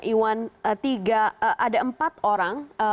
iwan ada empat orang